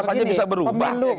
tidak hanya bisa berubah